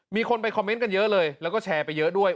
มีคนไปคอมเมนต์กันเยอะเลยแล้วก็แชร์ไปเยอะด้วย